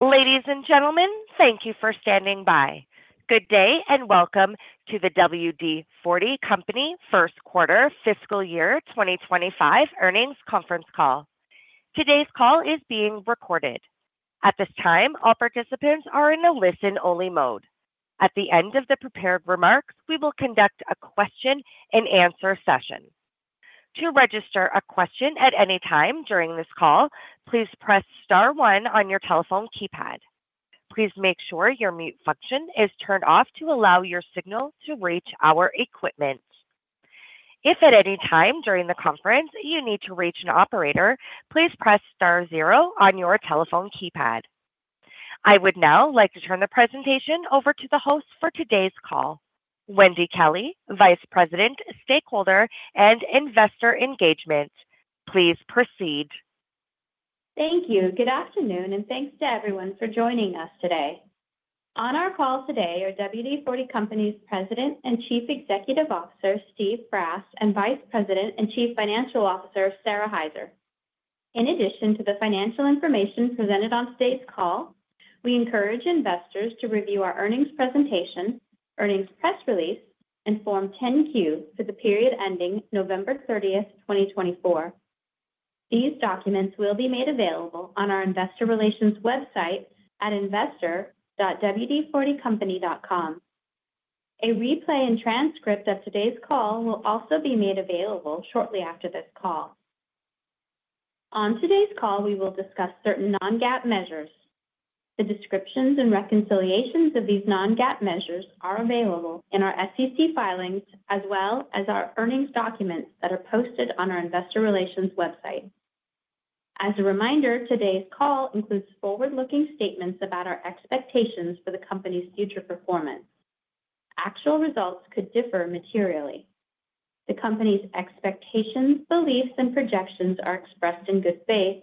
Ladies and gentlemen, thank you for standing by. Good day and welcome to the WD-40 Company First Quarter 2025 earnings conference call. Today's call is being recorded. At this time, all participants are in a listen-only mode. At the end of the prepared remarks, we will conduct a question-and-answer session. To register a question at any time during this call, please press star one on your telephone keypad. Please make sure your mute function is turned off to allow your signal to reach our equipment. If at any time during the conference you need to reach an operator, please press star zero on your telephone keypad. I would now like to turn the presentation over to the host for today's call, Wendy Kelley, Vice President, Stakeholder and Investor Engagement. Please proceed. Thank you. Good afternoon, and thanks to everyone for joining us today. On our call today are WD-40 Company's President and Chief Executive Officer, Steve Brass, and Vice President and Chief Financial Officer, Sara Hyzer. In addition to the financial information presented on today's call, we encourage investors to review our earnings presentation, earnings press release, and Form 10-Q for the period ending November 30th, 2024. These documents will be made available on our investor relations website at investor.wd40company.com. A replay and transcript of today's call will also be made available shortly after this call. On today's call, we will discuss certain non-GAAP measures. The descriptions and reconciliations of these non-GAAP measures are available in our SEC filings as well as our earnings documents that are posted on our investor relations website. As a reminder, today's call includes forward-looking statements about our expectations for the company's future performance. Actual results could differ materially. The company's expectations, beliefs, and projections are expressed in good faith,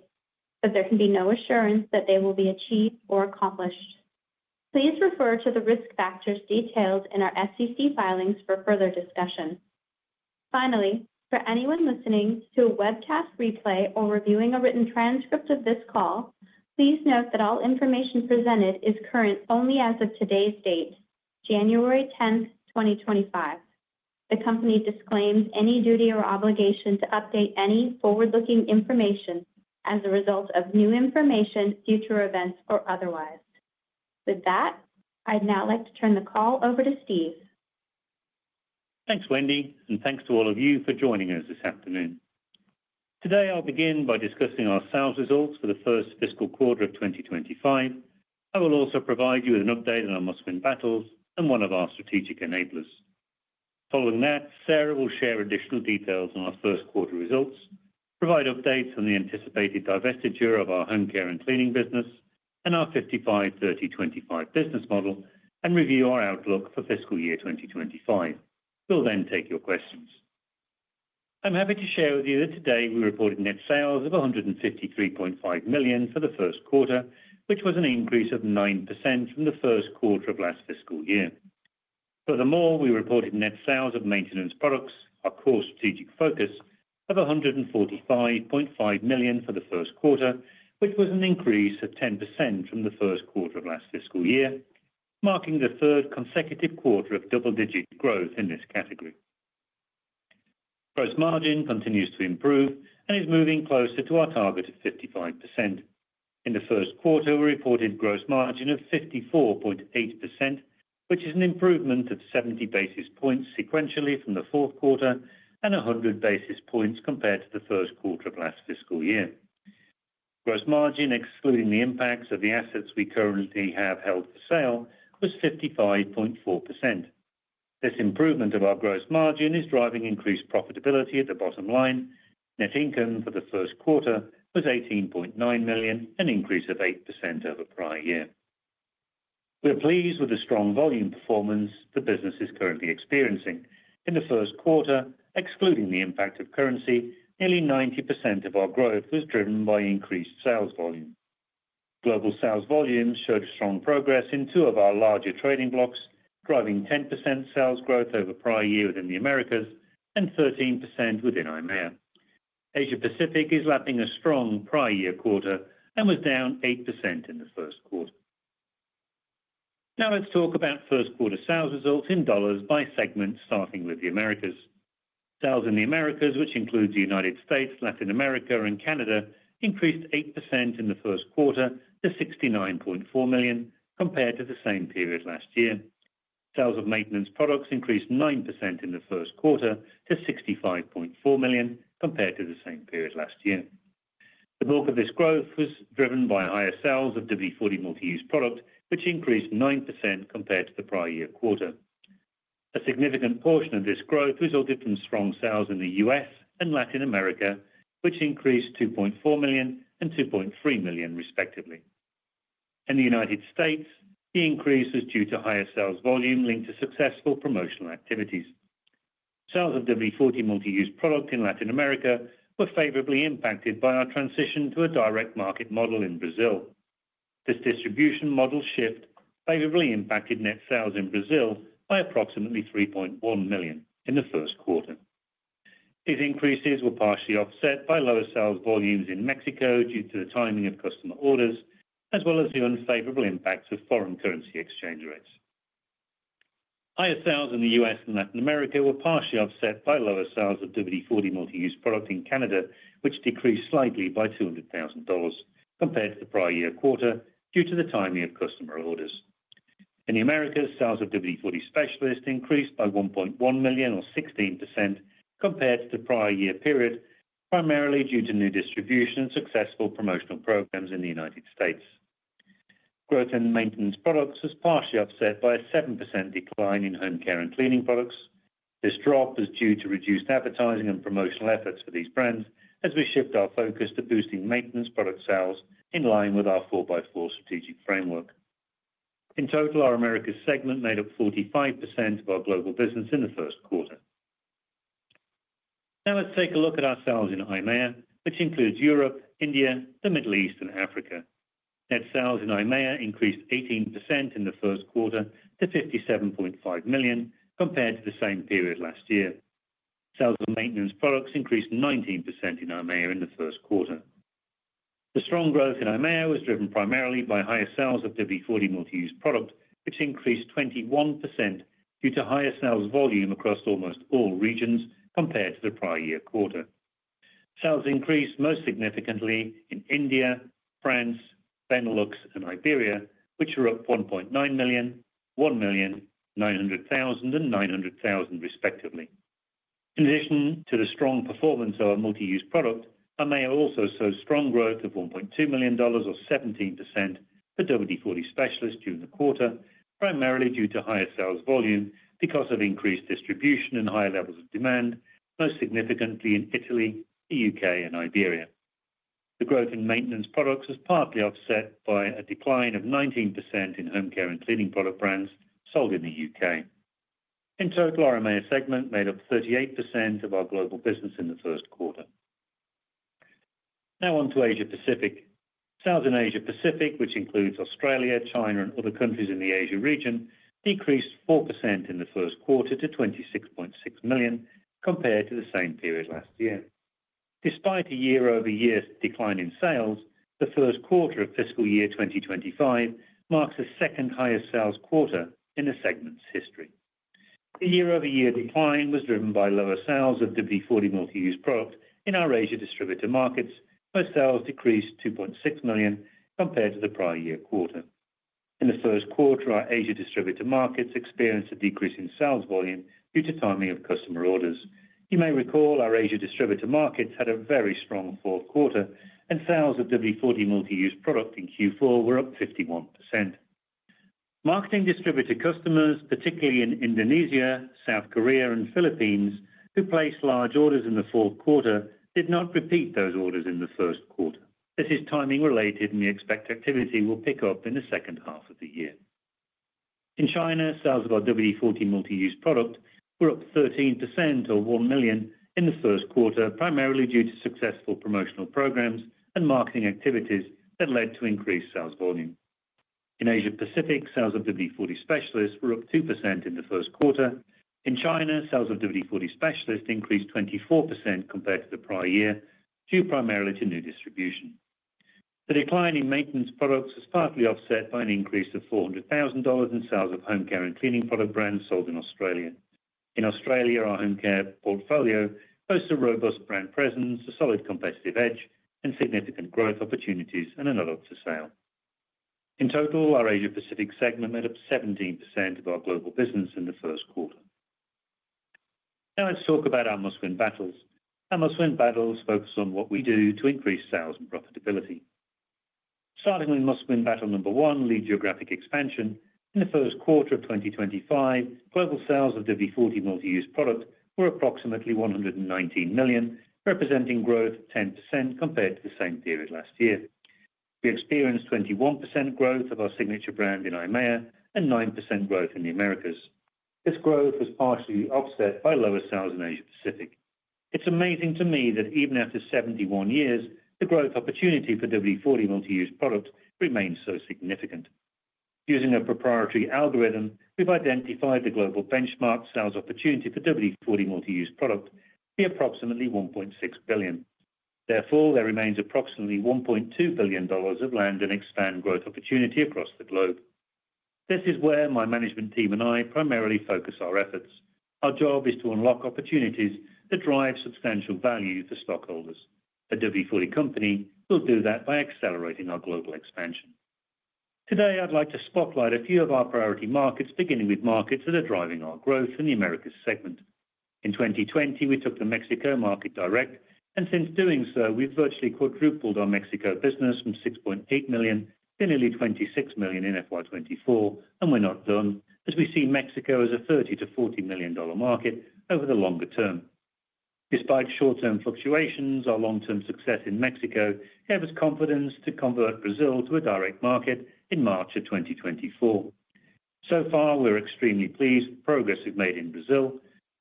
but there can be no assurance that they will be achieved or accomplished. Please refer to the risk factors detailed in our SEC filings for further discussion. Finally, for anyone listening to a webcast replay or reviewing a written transcript of this call, please note that all information presented is current only as of today's date, January 10th, 2025. The company disclaims any duty or obligation to update any forward-looking information as a result of new information, future events, or otherwise. With that, I'd now like to turn the call over to Steve. Thanks, Wendy, and thanks to all of you for joining us this afternoon. Today, I'll begin by discussing our sales results for the first fiscal quarter of 2025. I will also provide you with an update on our Must-Win Battles and one of our strategic enablers. Following that, Sara will share additional details on our first quarter results, provide updates on the anticipated divestiture of our home care and cleaning business and our 55-30-25 business model, and review our outlook for fiscal year 2025. We'll then take your questions. I'm happy to share with you that today we reported net sales of $153.5 million for the first quarter, which was an increase of 9% from the first quarter of last fiscal year. Furthermore, we reported net sales of maintenance products, our core strategic focus, of $145.5 million for the first quarter, which was an increase of 10% from the first quarter of last fiscal year, marking the third consecutive quarter of double-digit growth in this category. Gross margin continues to improve and is moving closer to our target of 55%. In the first quarter, we reported gross margin of 54.8%, which is an improvement of 70 basis points sequentially from the fourth quarter and 100 basis points compared to the first quarter of last fiscal year. Gross margin, excluding the impacts of the assets we currently have held for sale, was 55.4%. This improvement of our gross margin is driving increased profitability at the bottom line. Net income for the first quarter was $18.9 million, an increase of 8% over prior year. We're pleased with the strong volume performance the business is currently experiencing. In the first quarter, excluding the impact of currency, nearly 90% of our growth was driven by increased sales volume. Global sales volume showed strong progress in two of our larger trading blocks, driving 10% sales growth over prior year within the Americas and 13% within EIMEA. Asia Pacific is lapping a strong prior year quarter and was down 8% in the first quarter. Now let's talk about first quarter sales results in dollars by segment, starting with the Americas. Sales in the Americas, which includes the United States, Latin America, and Canada, increased 8% in the first quarter to $69.4 million compared to the same period last year. Sales of maintenance products increased 9% in the first quarter to $65.4 million compared to the same period last year. The bulk of this growth was driven by higher sales of WD-40 Multi-Use Product, which increased 9% compared to the prior year quarter. A significant portion of this growth resulted from strong sales in the U.S. and Latin America, which increased $2.4 million and $2.3 million, respectively. In the United States, the increase was due to higher sales volume linked to successful promotional activities. Sales of WD-40 Multi-Use Product in Latin America were favorably impacted by our transition to a direct market model in Brazil. This distribution model shift favorably impacted net sales in Brazil by approximately $3.1 million in the first quarter. These increases were partially offset by lower sales volumes in Mexico due to the timing of customer orders, as well as the unfavorable impacts of foreign currency exchange rates. Higher sales in the U.S. and Latin America were partially offset by lower sales of WD-40 Multi-Use Product in Canada, which decreased slightly by $200,000 compared to the prior year quarter due to the timing of customer orders. In the Americas, sales of WD-40 Specialist increased by $1.1 million, or 16%, compared to the prior year period, primarily due to new distribution and successful promotional programs in the United States. Growth in maintenance products was partially offset by a 7% decline in home care and cleaning products. This drop was due to reduced advertising and promotional efforts for these brands as we shift our focus to boosting maintenance product sales in line with our 4x4 Strategic Framework. In total, our Americas segment made up 45% of our global business in the first quarter. Now let's take a look at our sales in EIMEA, which includes Europe, India, the Middle East, and Africa. Net sales in EIMEA increased 18% in the first quarter to $57.5 million compared to the same period last year. Sales of maintenance products increased 19% in EIMEA in the first quarter. The strong growth in EIMEA was driven primarily by higher sales of WD-40 Multi-Use Product, which increased 21% due to higher sales volume across almost all regions compared to the prior year quarter. Sales increased most significantly in India, France, Benelux, and Iberia, which were up $1.9 million, $1 million, $900,000, and $900,000, respectively. In addition to the strong performance of our multi-use product, EIMEA also saw strong growth of $1.2 million, or 17%, for WD-40 Specialist during the quarter, primarily due to higher sales volume because of increased distribution and higher levels of demand, most significantly in Italy, the U.K., and Iberia. The growth in maintenance products was partly offset by a decline of 19% in home care and cleaning product brands sold in the U.K. In total, our EIMEA segment made up 38% of our global business in the first quarter. Now on to Asia Pacific. Sales in Asia Pacific, which includes Australia, China, and other countries in the Asia region, decreased 4% in the first quarter to $26.6 million compared to the same period last year. Despite a year-over-year decline in sales, the first quarter of fiscal year 2025 marks the second highest sales quarter in the segment's history. The year-over-year decline was driven by lower sales of WD-40 Multi-Use Product in our Asia distributor markets, where sales decreased $2.6 million compared to the prior year quarter. In the first quarter, our Asia distributor markets experienced a decrease in sales volume due to timing of customer orders. You may recall our Asia distributor markets had a very strong fourth quarter, and sales of WD-40 Multi-Use Product in Q4 were up 51%. Marketing distributor customers, particularly in Indonesia, South Korea, and Philippines, who placed large orders in the fourth quarter, did not repeat those orders in the first quarter. This is timing-related, and the expected activity will pick up in the second half of the year. In China, sales of our WD-40 Multi-Use Product were up 13%, or $1 million, in the first quarter, primarily due to successful promotional programs and marketing activities that led to increased sales volume. In Asia Pacific, sales of WD-40 Specialist were up 2% in the first quarter. In China, sales of WD-40 Specialist increased 24% compared to the prior year, due primarily to new distribution. The decline in maintenance products was partly offset by an increase of $400,000 in sales of home care and cleaning product brands sold in Australia. In Australia, our home care portfolio boasts a robust brand presence, a solid competitive edge, and significant growth opportunities and assets held for sale. In total, our Asia Pacific segment made up 17% of our global business in the first quarter. Now let's talk about our Must-Win Battles. Our Must-Win Battles focus on what we do to increase sales and profitability. Starting with Must-Win Battle number one, lead geographic expansion. In the first quarter of 2025, global sales of WD-40 Multi-Use Product were approximately $119 million, representing growth of 10% compared to the same period last year. We experienced 21% growth of our signature brand in EIMEA and 9% growth in the Americas. This growth was partially offset by lower sales in Asia Pacific. It's amazing to me that even after 71 years, the growth opportunity for WD-40 Multi-Use Product remains so significant. Using a proprietary algorithm, we've identified the global benchmark sales opportunity for WD-40 Multi-Use Product to be approximately $1.6 billion. Therefore, there remains approximately $1.2 billion of land and expand growth opportunity across the globe. This is where my management team and I primarily focus our efforts. Our job is to unlock opportunities that drive substantial value for stockholders. The WD-40 Company will do that by accelerating our global expansion. Today, I'd like to spotlight a few of our priority markets, beginning with markets that are driving our growth in the Americas segment. In 2020, we took the Mexico market direct, and since doing so, we've virtually quadrupled our Mexico business from $6.8 million to nearly $26 million in FY24, and we're not done, as we see Mexico as a $30-$40 million market over the longer term. Despite short-term fluctuations, our long-term success in Mexico gave us confidence to convert Brazil to a direct market in March of 2024. So far, we're extremely pleased with the progress we've made in Brazil.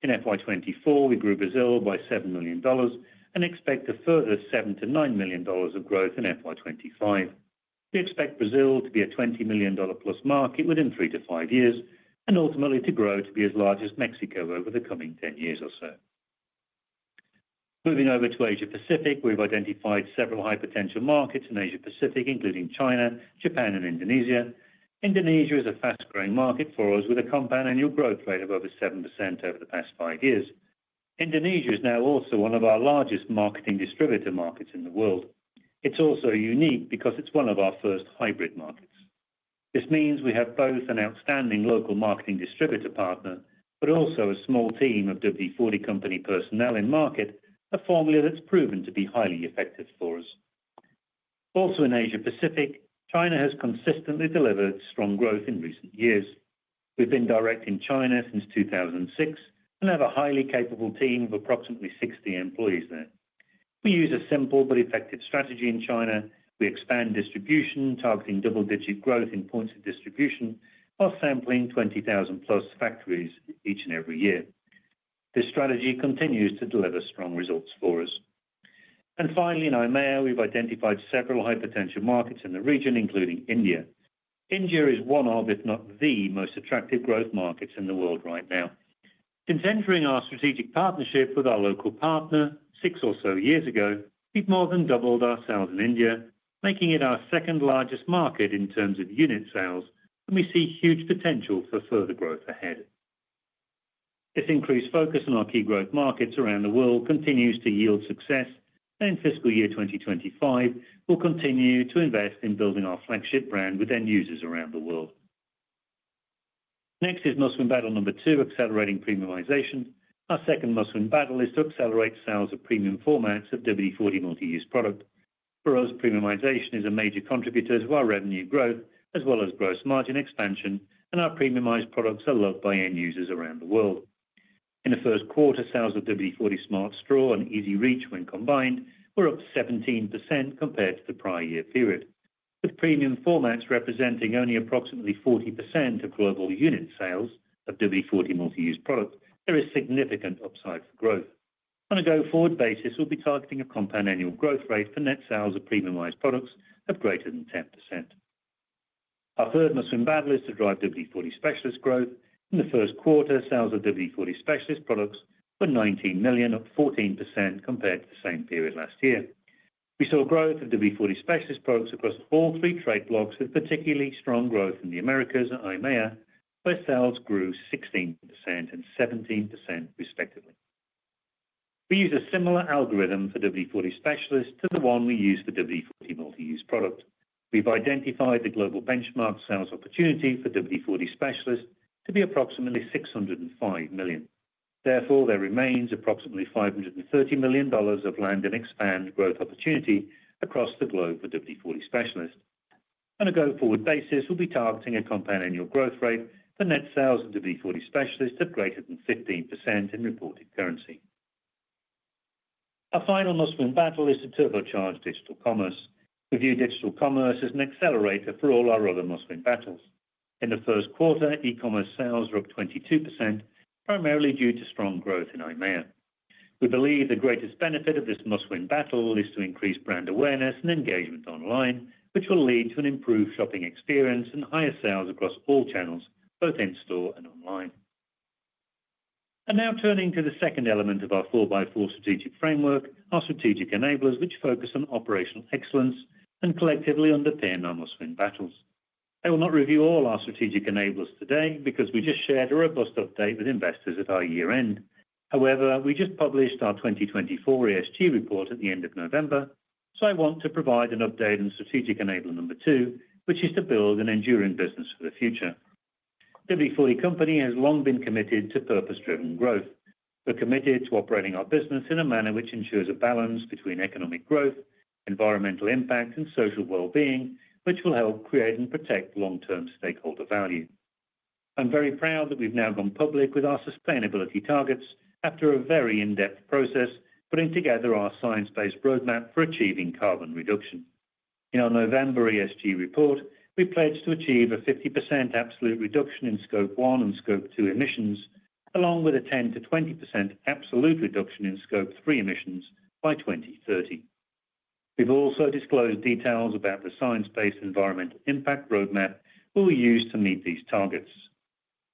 In FY24, we grew Brazil by $7 million and expect a further $7-$9 million of growth in FY25. We expect Brazil to be a $20 million-plus market within three to five years and ultimately to grow to be as large as Mexico over the coming 10 years or so. Moving over to Asia Pacific, we've identified several high-potential markets in Asia Pacific, including China, Japan, and Indonesia. Indonesia is a fast-growing market for us with a compound annual growth rate of over 7% over the past five years. Indonesia is now also one of our largest marketing distributor markets in the world. It's also unique because it's one of our first hybrid markets. This means we have both an outstanding local marketing distributor partner but also a small team of WD-40 Company personnel in market, a formula that's proven to be highly effective for us. Also in Asia Pacific, China has consistently delivered strong growth in recent years. We've been direct in China since 2006 and have a highly capable team of approximately 60 employees there. We use a simple but effective strategy in China. We expand distribution, targeting double-digit growth in points of distribution while sampling 20,000-plus factories each and every year. This strategy continues to deliver strong results for us. Finally, in EIMEA, we've identified several high-potential markets in the region, including India. India is one of, if not the, most attractive growth markets in the world right now. Since entering our strategic partnership with our local partner six or so years ago, we've more than doubled our sales in India, making it our second-largest market in terms of unit sales, and we see huge potential for further growth ahead. This increased focus on our key growth markets around the world continues to yield success, and in fiscal year 2025, we'll continue to invest in building our flagship brand with end users around the world. Next is Must-Win Battle number two, accelerating premiumization. Our second Must-Win Battle is to accelerate sales of premium formats of WD-40 Multi-Use Product. For us, premiumization is a major contributor to our revenue growth as well as gross margin expansion, and our premiumized products are loved by end users around the world. In the first quarter, sales of WD-40 Smart Straw and EZ-Reach, when combined, were up 17% compared to the prior year period. With premium formats representing only approximately 40% of global unit sales of WD-40 Multi-Use Product, there is significant upside for growth. On a go-forward basis, we'll be targeting a compound annual growth rate for net sales of premiumized products of greater than 10%. Our third Must-Win Battle is to drive WD-40 Specialist growth. In the first quarter, sales of WD-40 Specialist products were $19 million, up 14% compared to the same period last year. We saw growth of WD-40 Specialist products across all three trading blocks with particularly strong growth in the Americas and EIMEA, where sales grew 16% and 17%, respectively. We use a similar algorithm for WD-40 Specialist to the one we use for WD-40 Multi-Use Product. We've identified the global benchmark sales opportunity for WD-40 Specialist to be approximately $605 million. Therefore, there remains approximately $530 million of land and expand growth opportunity across the globe for WD-40 Specialist. On a go-forward basis, we'll be targeting a compound annual growth rate for net sales of WD-40 Specialist of greater than 15% in reported currency. Our final Must-Win Battle is to turbocharge digital commerce. We view digital commerce as an accelerator for all our other Must-Win Battles. In the first quarter, e-commerce sales were up 22%, primarily due to strong growth in EIMEA. We believe the greatest benefit of this Must-Win Battle is to increase brand awareness and engagement online, which will lead to an improved shopping experience and higher sales across all channels, both in store and online. And now turning to the second element of our 4x4 Strategic Framework, our Strategic Enablers, which focus on operational excellence and collectively underpinned our Must-Win Battles. I will not review all our Strategic Enablers today because we just shared a robust update with investors at our year-end. However, we just published our 2024 ESG report at the end of November, so I want to provide an update on strategic enabler number two, which is to build an enduring business for the future. WD-40 Company has long been committed to purpose-driven growth. We're committed to operating our business in a manner which ensures a balance between economic growth, environmental impact, and social well-being, which will help create and protect long-term stakeholder value. I'm very proud that we've now gone public with our sustainability targets after a very in-depth process, putting together our science-based roadmap for achieving carbon reduction. In our November ESG report, we pledged to achieve a 50% absolute reduction in Scope 1 and Scope 2 emissions, along with a 10%-20% absolute reduction in Scope 3 emissions by 2030. We've also disclosed details about the science-based environmental impact roadmap we'll use to meet these targets.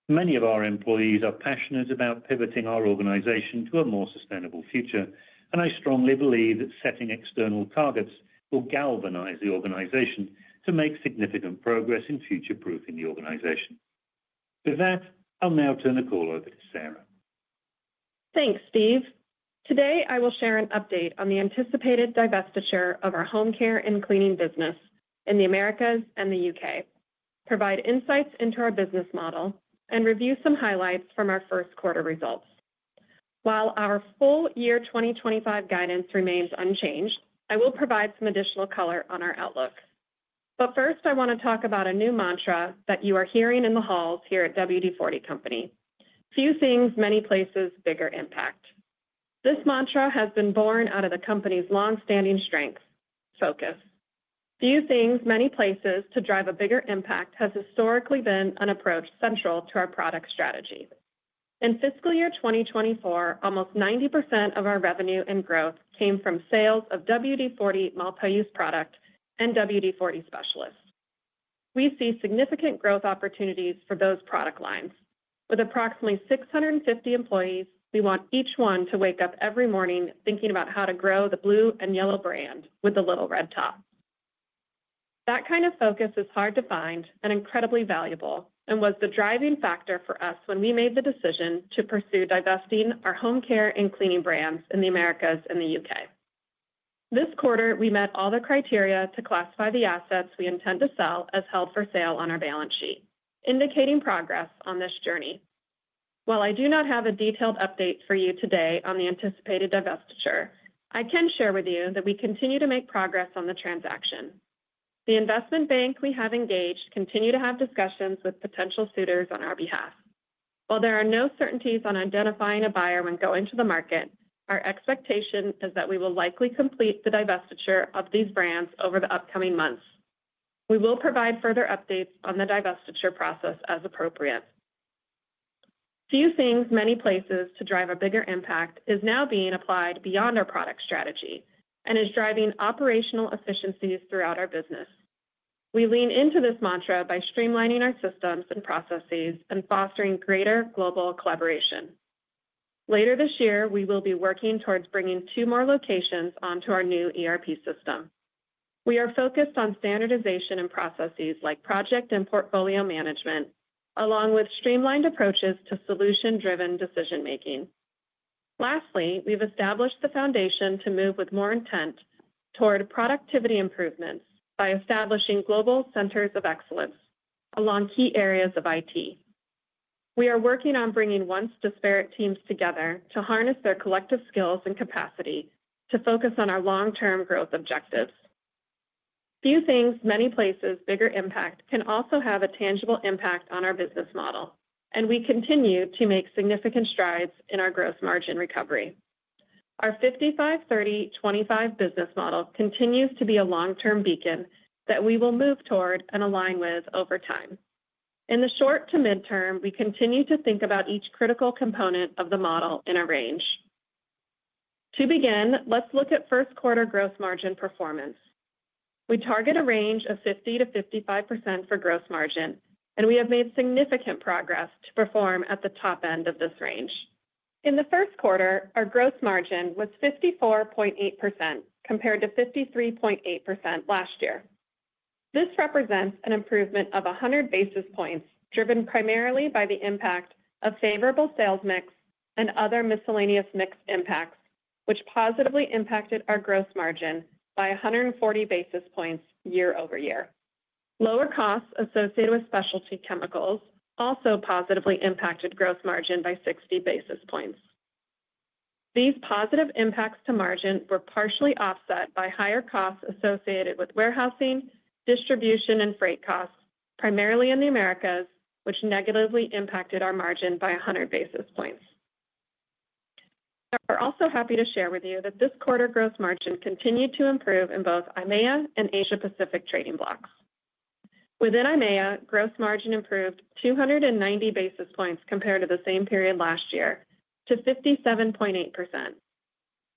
Many of our employees are passionate about pivoting our organization to a more sustainable future, and I strongly believe that setting external targets will galvanize the organization to make significant progress in future-proofing the organization. With that, I'll now turn the call over to Sara. Thanks, Steve. Today, I will share an update on the anticipated divestiture of our home care and cleaning business in the Americas and the UK, provide insights into our business model, and review some highlights from our first quarter results. While our full year 2025 guidance remains unchanged, I will provide some additional color on our outlook. But first, I want to talk about a new mantra that you are hearing in the halls here at WD-40 Company: "Few things, many places, bigger impact." This mantra has been born out of the company's long-standing strength: focus. Few things, many places" to drive a bigger impact has historically been an approach central to our product strategy. In fiscal year 2024, almost 90% of our revenue and growth came from sales of WD-40 Multi-Use Product and WD-40 Specialist. We see significant growth opportunities for those product lines. With approximately 650 employees, we want each one to wake up every morning thinking about how to grow the blue and yellow brand with the little red top. That kind of focus is hard to find and incredibly valuable and was the driving factor for us when we made the decision to pursue divesting our home care and cleaning brands in the Americas and the U.K. This quarter, we met all the criteria to classify the assets we intend to sell as held for sale on our balance sheet, indicating progress on this journey. While I do not have a detailed update for you today on the anticipated divestiture, I can share with you that we continue to make progress on the transaction. The investment bank we have engaged continues to have discussions with potential suitors on our behalf. While there are no certainties on identifying a buyer when going to the market, our expectation is that we will likely complete the divestiture of these brands over the upcoming months. We will provide further updates on the divestiture process as appropriate. "Few things, many places" to drive a bigger impact is now being applied beyond our product strategy and is driving operational efficiencies throughout our business. We lean into this mantra by streamlining our systems and processes and fostering greater global collaboration. Later this year, we will be working towards bringing two more locations onto our new ERP system. We are focused on standardization and processes like project and portfolio management, along with streamlined approaches to solution-driven decision-making. Lastly, we've established the foundation to move with more intent toward productivity improvements by establishing global centers of excellence along key areas of IT. We are working on bringing once-disparate teams together to harness their collective skills and capacity to focus on our long-term growth objectives. "Few things, many places, bigger impact" can also have a tangible impact on our business model, and we continue to make significant strides in our gross margin recovery. Our 55-30-25 business model continues to be a long-term beacon that we will move toward and align with over time. In the short to midterm, we continue to think about each critical component of the model in a range. To begin, let's look at first quarter gross margin performance. We target a range of 50%-55% for gross margin, and we have made significant progress to perform at the top end of this range. In the first quarter, our gross margin was 54.8% compared to 53.8% last year. This represents an improvement of 100 basis points driven primarily by the impact of favorable sales mix and other miscellaneous mix impacts, which positively impacted our gross margin by 140 basis points year-over-year. Lower costs associated with specialty chemicals also positively impacted gross margin by 60 basis points. These positive impacts to margin were partially offset by higher costs associated with warehousing, distribution, and freight costs, primarily in the Americas, which negatively impacted our margin by 100 basis points. We are also happy to share with you that this quarter gross margin continued to improve in both EIMEA and Asia Pacific trading blocks. Within EIMEA, gross margin improved 290 basis points compared to the same period last year to 57.8%.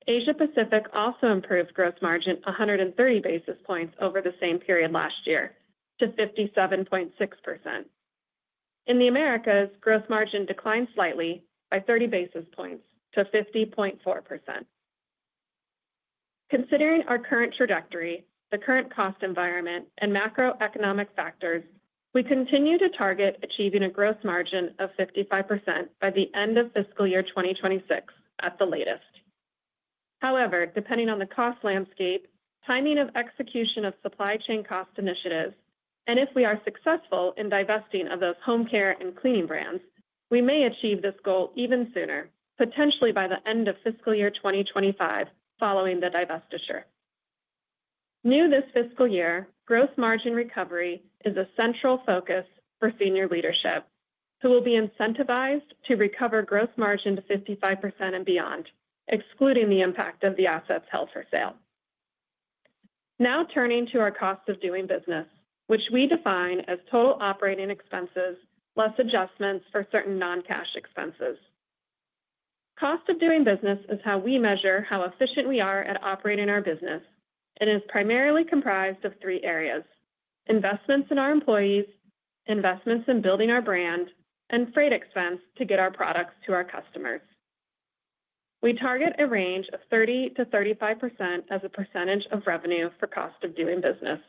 Asia Pacific also improved gross margin 130 basis points over the same period last year to 57.6%. In the Americas, gross margin declined slightly by 30 basis points to 50.4%. Considering our current trajectory, the current cost environment, and macroeconomic factors, we continue to target achieving a gross margin of 55% by the end of fiscal year 2026 at the latest. However, depending on the cost landscape, timing of execution of supply chain cost initiatives, and if we are successful in divesting of those home care and cleaning brands, we may achieve this goal even sooner, potentially by the end of fiscal year 2025 following the divestiture. New this fiscal year, gross margin recovery is a central focus for senior leadership, who will be incentivized to recover gross margin to 55% and beyond, excluding the impact of the assets held for sale. Now turning to our Cost of Doing Business, which we define as total operating expenses less adjustments for certain non-cash expenses. Cost of Doing Business is how we measure how efficient we are at operating our business and is primarily comprised of three areas: investments in our employees, investments in building our brand, and freight expense to get our products to our customers. We target a range of 30%-35% as a percentage of revenue for Cost of Doing Business.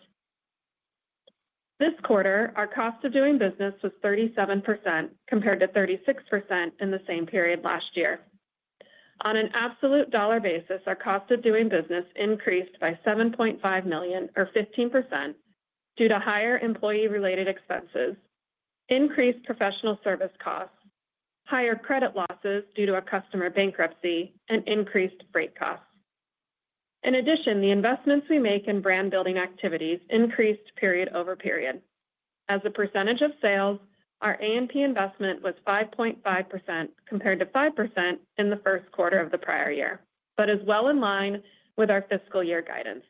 This quarter, our Cost of Doing Business was 37% compared to 36% in the same period last year. On an absolute dollar basis, our cost of doing business increased by $7.5 million, or 15%, due to higher employee-related expenses, increased professional service costs, higher credit losses due to a customer bankruptcy, and increased freight costs. In addition, the investments we make in brand-building activities increased period over period. As a percentage of sales, our A&P investment was 5.5% compared to 5% in the first quarter of the prior year, but is well in line with our fiscal year guidance.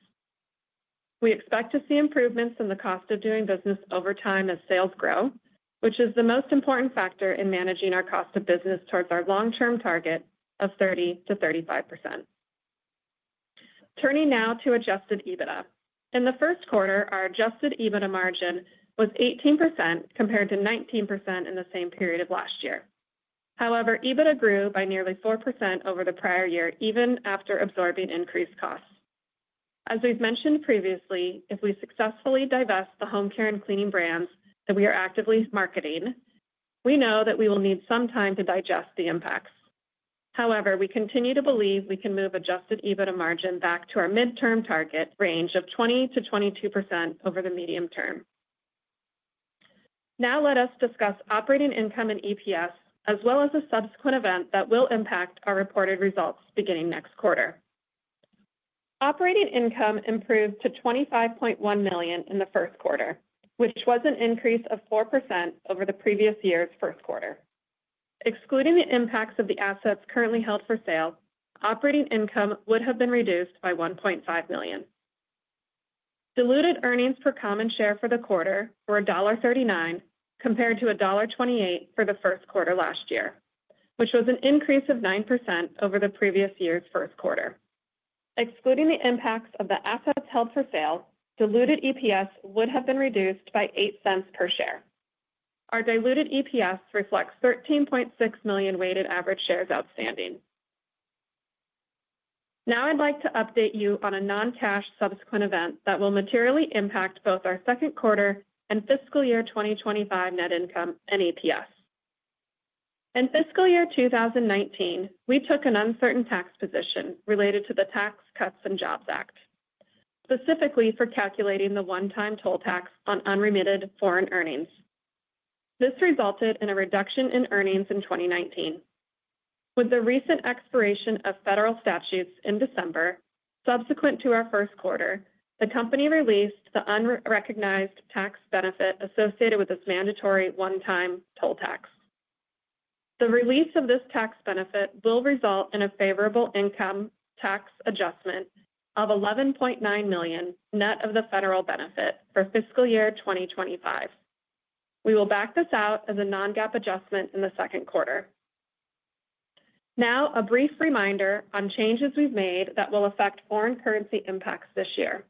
We expect to see improvements in the cost of doing business over time as sales grow, which is the most important factor in managing our cost of business towards our long-term target of 30%-35%. Turning now to Adjusted EBITDA. In the first quarter, our Adjusted EBITDA margin was 18% compared to 19% in the same period of last year. However, EBITDA grew by nearly 4% over the prior year, even after absorbing increased costs. As we've mentioned previously, if we successfully divest the home care and cleaning brands that we are actively marketing, we know that we will need some time to digest the impacts. However, we continue to believe we can move Adjusted EBITDA margin back to our midterm target range of 20%-22% over the medium term. Now let us discuss operating income and EPS, as well as a subsequent event that will impact our reported results beginning next quarter. Operating income improved to $25.1 million in the first quarter, which was an increase of 4% over the previous year's first quarter. Excluding the impacts of the assets currently held for sale, operating income would have been reduced by $1.5 million. Diluted earnings per common share for the quarter were $1.39 compared to $1.28 for the first quarter last year, which was an increase of 9% over the previous year's first quarter. Excluding the impacts of the assets held for sale, diluted EPS would have been reduced by $0.08 per share. Our diluted EPS reflects 13.6 million weighted average shares outstanding. Now I'd like to update you on a non-cash subsequent event that will materially impact both our second quarter and fiscal year 2025 net income and EPS. In fiscal year 2019, we took an uncertain tax position related to the Tax Cuts and Jobs Act, specifically for calculating the one-time toll tax on unremitted foreign earnings. This resulted in a reduction in earnings in 2019. With the recent expiration of federal statutes in December, subsequent to our first quarter, the company released the unrecognized tax benefit associated with this mandatory one-time toll tax. The release of this tax benefit will result in a favorable income tax adjustment of $11.9 million net of the federal benefit for fiscal year 2025. We will back this out as a non-GAAP adjustment in the second quarter. Now, a brief reminder on changes we've made that will affect foreign currency impacts this year.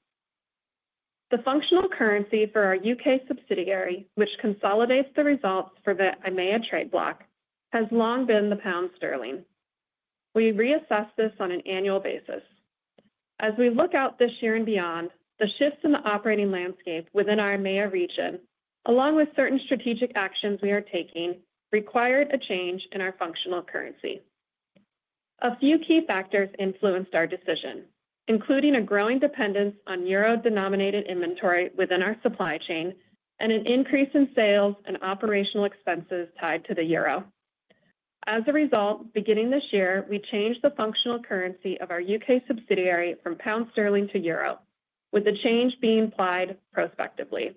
The functional currency for our U.K. subsidiary, which consolidates the results for the EIMEA trading block, has long been the pound sterling. We reassess this on an annual basis. As we look out this year and beyond, the shifts in the operating landscape within our EIMEA region, along with certain strategic actions we are taking, required a change in our functional currency. A few key factors influenced our decision, including a growing dependence on euro-denominated inventory within our supply chain and an increase in sales and operational expenses tied to the euro. As a result, beginning this year, we changed the functional currency of our U.K. subsidiary from pound sterling to euro, with the change being applied prospectively.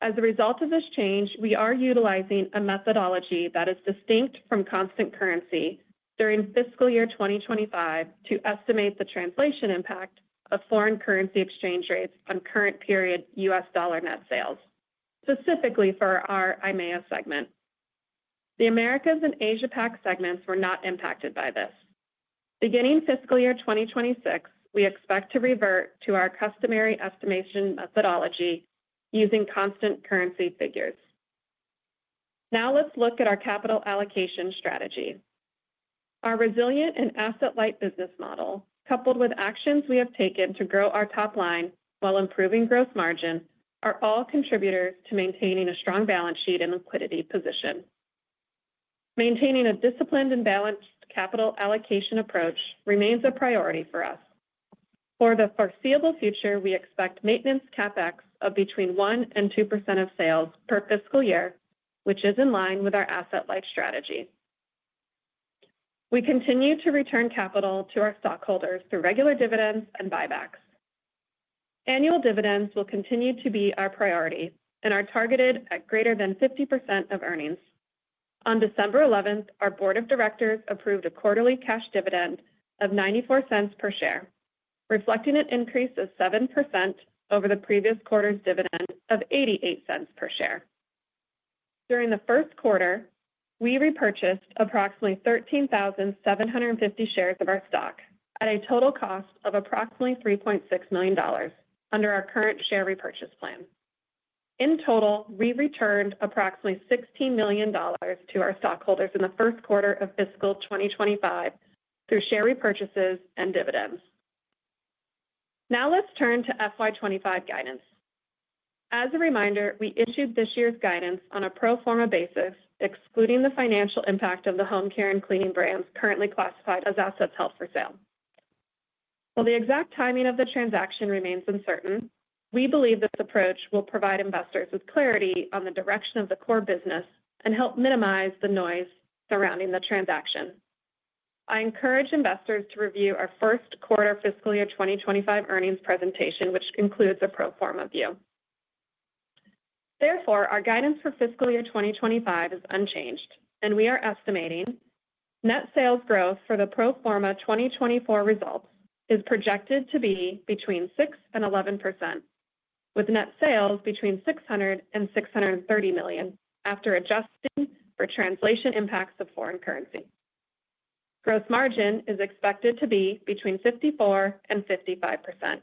As a result of this change, we are utilizing a methodology that is distinct from constant currency during fiscal year 2025 to estimate the translation impact of foreign currency exchange rates on current period U.S. dollar net sales, specifically for our EIMEA segment. The Americas and Asia-Pac segments were not impacted by this. Beginning fiscal year 2026, we expect to revert to our customary estimation methodology using constant currency figures. Now let's look at our capital allocation strategy. Our resilient and asset-light business model, coupled with actions we have taken to grow our top line while improving gross margin, are all contributors to maintaining a strong balance sheet and liquidity position. Maintaining a disciplined and balanced capital allocation approach remains a priority for us. For the foreseeable future, we expect maintenance CapEx of between 1% and 2% of sales per fiscal year, which is in line with our asset-light strategy. We continue to return capital to our stockholders through regular dividends and buybacks. Annual dividends will continue to be our priority and are targeted at greater than 50% of earnings. On December 11th, our board of directors approved a quarterly cash dividend of $0.94 per share, reflecting an increase of 7% over the previous quarter's dividend of $0.88 per share. During the first quarter, we repurchased approximately 13,750 shares of our stock at a total cost of approximately $3.6 million under our current share repurchase plan. In total, we returned approximately $16 million to our stockholders in the first quarter of fiscal 2025 through share repurchases and dividends. Now let's turn to FY25 guidance. As a reminder, we issued this year's guidance on a pro forma basis, excluding the financial impact of the home care and cleaning brands currently classified as assets held for sale. While the exact timing of the transaction remains uncertain, we believe this approach will provide investors with clarity on the direction of the core business and help minimize the noise surrounding the transaction. I encourage investors to review our first quarter fiscal year 2025 earnings presentation, which includes a pro forma view. Therefore, our guidance for fiscal year 2025 is unchanged, and we are estimating net sales growth for the pro forma 2024 results is projected to be between 6% and 11%, with net sales between $600 million and $630 million after adjusting for translation impacts of foreign currency. Gross margin is expected to be between 54% and 55%.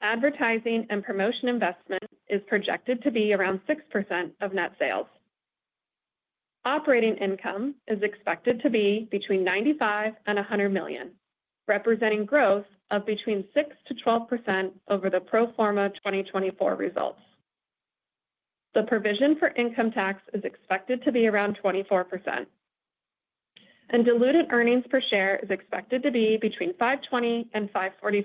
Advertising and promotion investment is projected to be around 6% of net sales. Operating income is expected to be between $95 million and $100 million, representing growth of between 6% to 12% over the pro forma 2024 results. The provision for income tax is expected to be around 24%. And diluted earnings per share is expected to be between $5.20 and $5.45,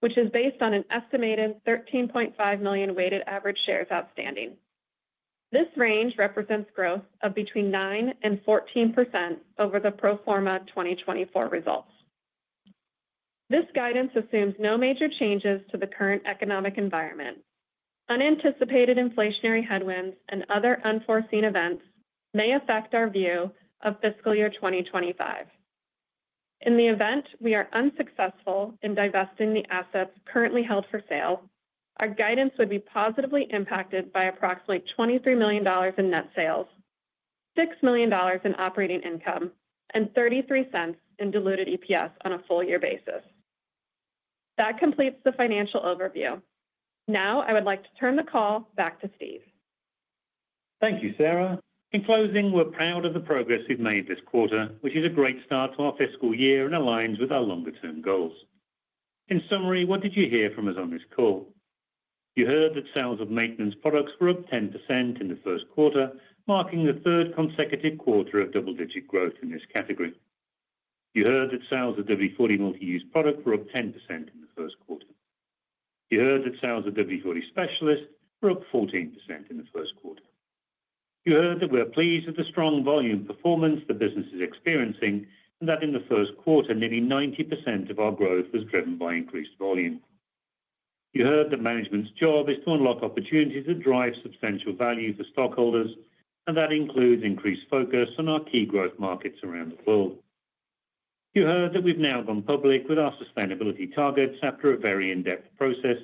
which is based on an estimated 13.5 million weighted average shares outstanding. This range represents growth of between 9% and 14% over the pro forma 2024 results. This guidance assumes no major changes to the current economic environment. Unanticipated inflationary headwinds and other unforeseen events may affect our view of fiscal year 2025. In the event we are unsuccessful in divesting the assets currently held for sale, our guidance would be positively impacted by approximately $23 million in net sales, $6 million in operating income, and $0.33 in diluted EPS on a full-year basis. That completes the financial overview. Now I would like to turn the call back to Steve. Thank you, Sara. In closing, we're proud of the progress we've made this quarter, which is a great start to our fiscal year and aligns with our longer-term goals. In summary, what did you hear from us on this call? You heard that sales of maintenance products were up 10% in the first quarter, marking the third consecutive quarter of double-digit growth in this category. You heard that sales of WD-40 Multi-Use Products were up 10% in the first quarter. You heard that sales of WD-40 Specialist were up 14% in the first quarter. You heard that we are pleased with the strong volume performance the business is experiencing and that in the first quarter, nearly 90% of our growth was driven by increased volume. You heard that management's job is to unlock opportunities that drive substantial value for stockholders, and that includes increased focus on our key growth markets around the world. You heard that we've now gone public with our sustainability targets after a very in-depth process,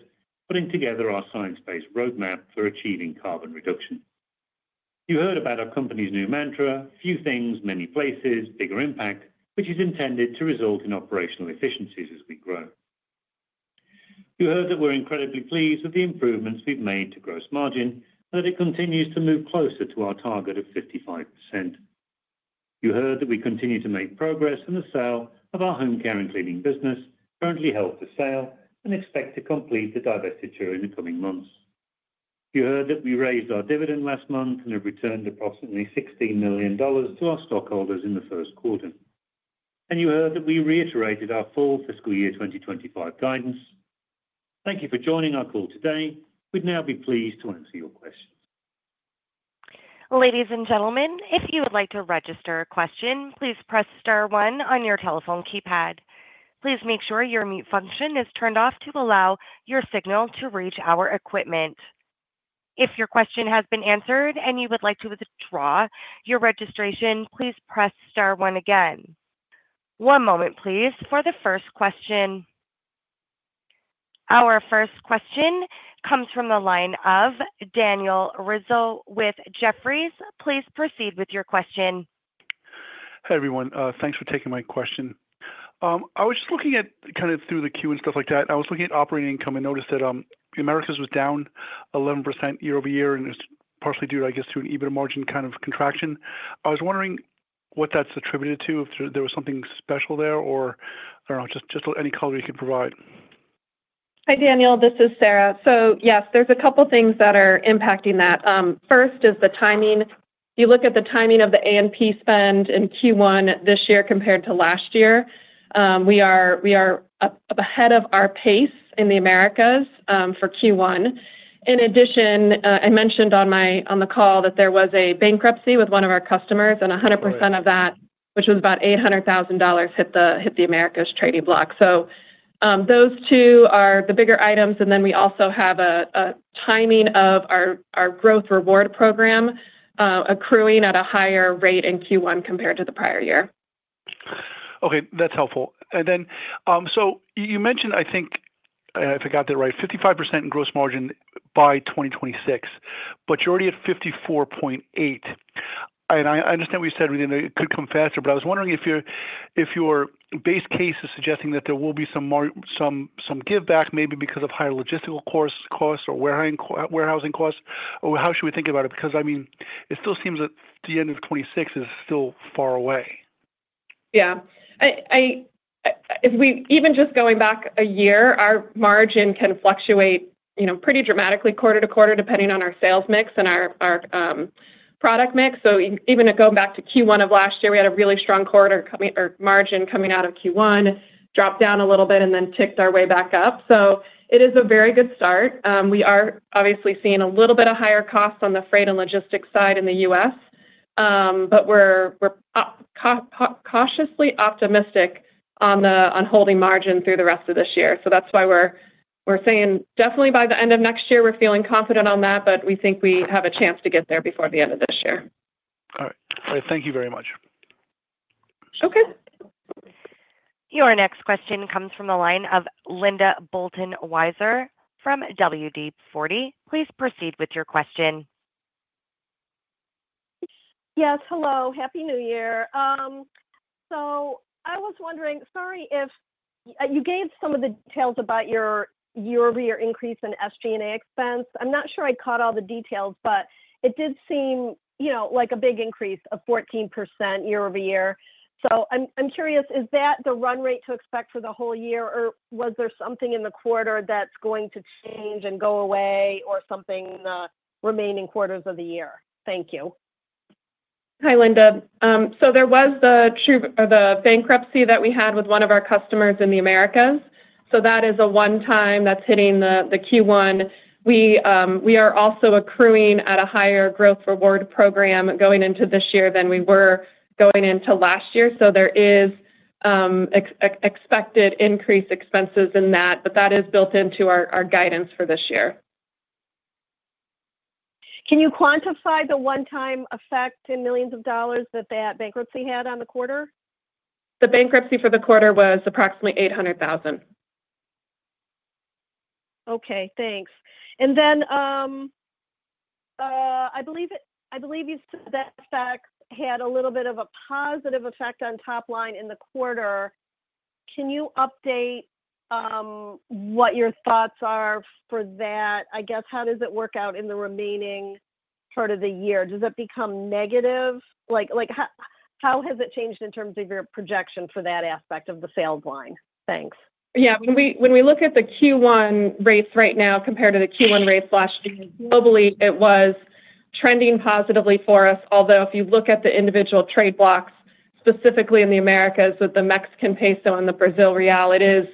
putting together our science-based roadmap for achieving carbon reduction. You heard about our company's new mantra, "Few things, many places, bigger impact," which is intended to result in operational efficiencies as we grow. You heard that we're incredibly pleased with the improvements we've made to gross margin and that it continues to move closer to our target of 55%. You heard that we continue to make progress in the sale of our home care and cleaning business, currently held for sale, and expect to complete the divestiture in the coming months. You heard that we raised our dividend last month and have returned approximately $16 million to our stockholders in the first quarter. And you heard that we reiterated our full fiscal year 2025 guidance. Thank you for joining our call today. We'd now be pleased to answer your questions. Ladies and gentlemen, if you would like to register a question, please press star one on your telephone keypad. Please make sure your mute function is turned off to allow your signal to reach our equipment. If your question has been answered and you would like to withdraw your registration, please press star one again. One moment, please, for the first question. Our first question comes from the line of Daniel Rizzo with Jefferies. Please proceed with your question. Hey, everyone. Thanks for taking my question. I was just looking at kind of through the queue and stuff like that. I was looking at operating income and noticed that Americas was down 11% year over year, and it's partially due, I guess, to an EBITDA margin kind of contraction. I was wondering what that's attributed to, if there was something special there, or I don't know, just any color you could provide. Hi, Daniel. This is Sara. So yes, there's a couple of things that are impacting that. First is the timing. You look at the timing of the A&P spend in Q1 this year compared to last year. We are ahead of our pace in the Americas for Q1. In addition, I mentioned on the call that there was a bankruptcy with one of our customers, and 100% of that, which was about $800,000, hit the Americas trading block. So those two are the bigger items. And then we also have a timing of our Growth Reward program accruing at a higher rate in Q1 compared to the prior year. Okay. That's helpful. And then so you mentioned, I think I forgot that right, 55% in gross margin by 2026, but you're already at 54.8%. And I understand what you said, really, that it could come faster, but I was wondering if your base case is suggesting that there will be some give back maybe because of higher logistical costs or warehousing costs. How should we think about it? Because, I mean, it still seems that the end of 2026 is still far away. Yeah. Even just going back a year, our margin can fluctuate pretty dramatically quarter to quarter, depending on our sales mix and our product mix. So even going back to Q1 of last year, we had a really strong quarter margin coming out of Q1, dropped down a little bit, and then ticked our way back up. So it is a very good start. We are obviously seeing a little bit of higher costs on the freight and logistics side in the U.S., but we're cautiously optimistic on holding margin through the rest of this year. So that's why we're saying definitely by the end of next year, we're feeling confident on that, but we think we have a chance to get there before the end of this year. All right. All right. Thank you very much. Okay. Your next question comes from the line of Linda Bolton Weiser from D.A. Davidson. Please proceed with your question. Yes. Hello. Happy New Year. So I was wondering, sorry, if you gave some of the details about your year-over-year increase in SG&A expense. I'm not sure I caught all the details, but it did seem like a big increase of 14% year over year. So I'm curious, is that the run rate to expect for the whole year, or was there something in the quarter that's going to change and go away or something in the remaining quarters of the year? Thank you. Hi, Linda. So there was the bankruptcy that we had with one of our customers in the Americas. So that is a one-time that's hitting the Q1. We are also accruing at a higher Growth Reward program going into this year than we were going into last year. So there is expected increased expenses in that, but that is built into our guidance for this year. Can you quantify the one-time effect in millions of dollars that that bankruptcy had on the quarter? The bankruptcy for the quarter was approximately $800,000. Okay. Thanks. And then I believe you said that FX had a little bit of a positive effect on top line in the quarter. Can you update what your thoughts are for that? I guess, how does it work out in the remaining part of the year? Does it become negative? How has it changed in terms of your projection for that aspect of the sales line? Thanks. Yeah. When we look at the Q1 rates right now compared to the Q1 rates last year, globally, it was trending positively for us, although if you look at the individual trading blocks, specifically in the Americas, with the Mexican peso and the Brazil real, it is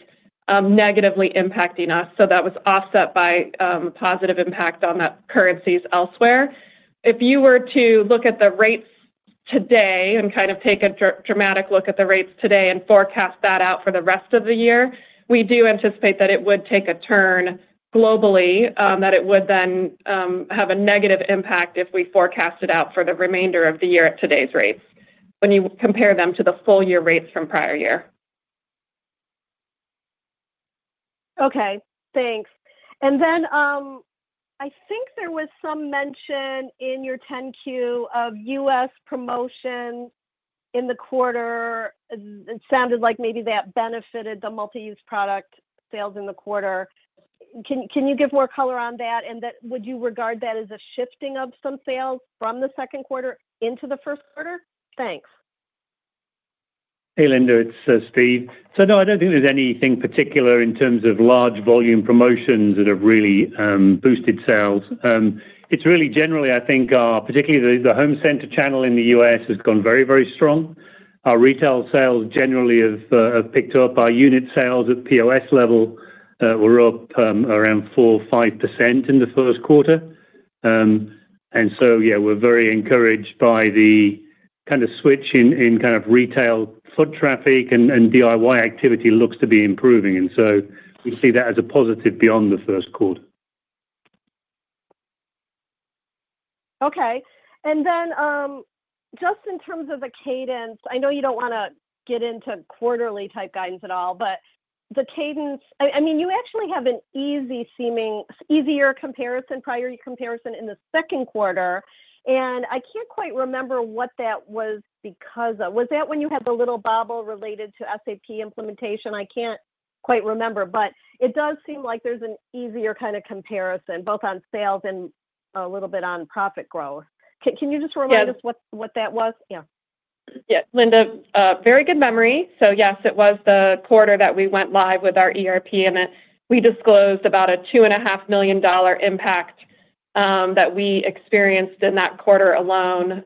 negatively impacting us. So that was offset by a positive impact on the currencies elsewhere. If you were to look at the rates today and kind of take a dramatic look at the rates today and forecast that out for the rest of the year, we do anticipate that it would take a turn globally, that it would then have a negative impact if we forecast it out for the remainder of the year at today's rates when you compare them to the full-year rates from prior year. Okay. Thanks. And then I think there was some mention in your 10-Q of U.S. promotions in the quarter. It sounded like maybe that benefited the multi-use product sales in the quarter. Can you give more color on that? And would you regard that as a shifting of some sales from the second quarter into the first quarter? Thanks. Hey, Linda. It's Steve. So no, I don't think there's anything particular in terms of large volume promotions that have really boosted sales. It's really generally, I think, particularly the home center channel in the U.S. has gone very, very strong. Our retail sales generally have picked up. Our unit sales at POS level were up around 4%, 5% in the first quarter. And so, yeah, we're very encouraged by the kind of switch in kind of retail foot traffic, and DIY activity looks to be improving. And so we see that as a positive beyond the first quarter. Okay. And then just in terms of the cadence, I know you don't want to get into quarterly-type guidance at all, but the cadence, I mean, you actually have an easier comparison, prior comparison in the second quarter. And I can't quite remember what that was because of. Was that when you had the little bobble related to SAP implementation? I can't quite remember, but it does seem like there's an easier kind of comparison, both on sales and a little bit on profit growth. Can you just remind us what that was? Yeah. Yeah. Linda, very good memory. So yes, it was the quarter that we went live with our ERP, and we disclosed about a $2.5 million impact that we experienced in that quarter alone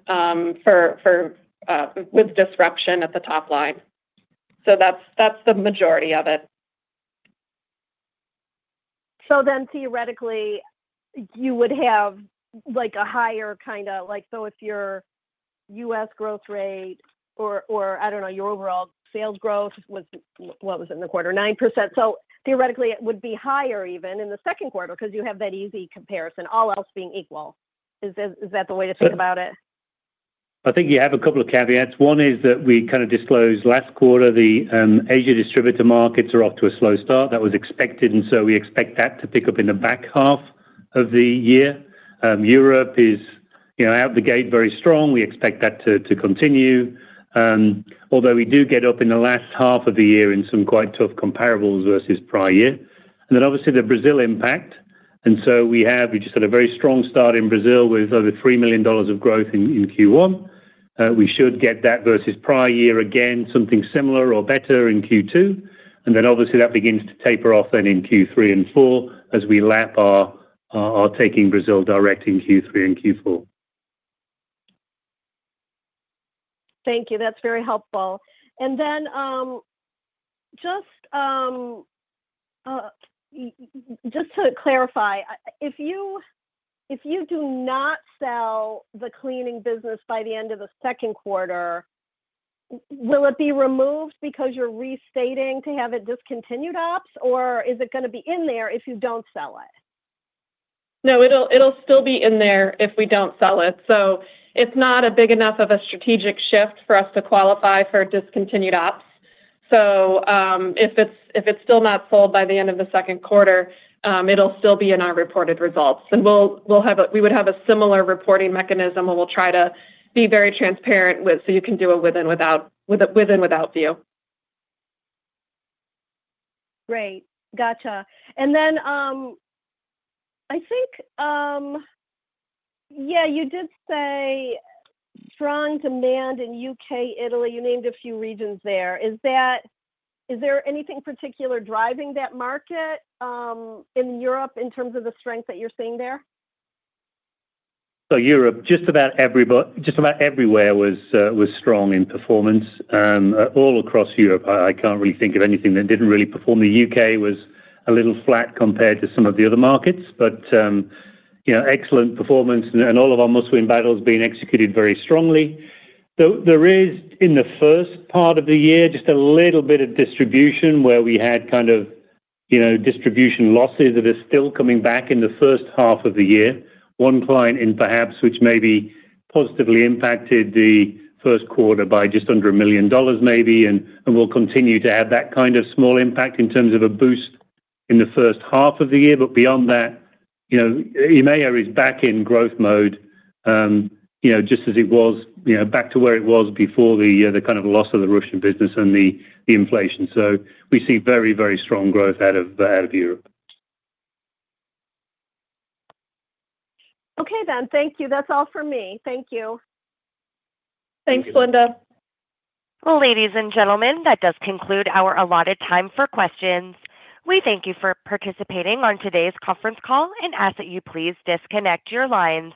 with disruption at the top line. So that's the majority of it. So then theoretically, you would have a higher kind of, so if your U.S. growth rate or, I don't know, your overall sales growth was, what was it in the quarter? 9%. So theoretically, it would be higher even in the second quarter because you have that easy comparison, all else being equal. Is that the way to think about it? I think you have a couple of caveats. One is that we kind of disclosed last quarter, the Asia distributor markets are off to a slow start. That was expected, and so we expect that to pick up in the back half of the year. Europe is out the gate very strong. We expect that to continue, although we do get up in the last half of the year in some quite tough comparables versus prior year, and then obviously, the Brazil impact, and so we just had a very strong start in Brazil with over $3 million of growth in Q1. We should get that versus prior year again, something similar or better in Q2, and then obviously, that begins to taper off then in Q3 and Q4 as we lap our taking Brazil direct in Q3 and Q4. Thank you. That's very helpful. And then just to clarify, if you do not sell the cleaning business by the end of the second quarter, will it be removed because you're restating to have it discontinued ops, or is it going to be in there if you don't sell it? No, it'll still be in there if we don't sell it. So it's not a big enough of a strategic shift for us to qualify for discontinued ops. So if it's still not sold by the end of the second quarter, it'll still be in our reported results. And we would have a similar reporting mechanism, and we'll try to be very transparent so you can do a within-without view. Great. Gotcha. And then I think, yeah, you did say strong demand in the U.K., Italy. You named a few regions there. Is there anything particular driving that market in Europe in terms of the strength that you're seeing there? So Europe, just about everywhere was strong in performance. All across Europe, I can't really think of anything that didn't really perform. The U.K. was a little flat compared to some of the other markets, but excellent performance and all of our Must-Win Battles being executed very strongly. There is, in the first part of the year, just a little bit of distribution where we had kind of distribution losses that are still coming back in the first half of the year. One client in France, which maybe positively impacted the first quarter by just under $1 million maybe, and will continue to have that kind of small impact in terms of a boost in the first half of the year. But beyond that, EIMEA is back in growth mode just as it was back to where it was before the kind of loss of the Russian business and the inflation. So we see very, very strong growth out of Europe. Okay then. Thank you. That is all for me. Thank you. Thanks, Linda. Ladies and gentlemen, that does conclude our allotted time for questions. We thank you for participating on today's conference call and ask that you please disconnect your lines.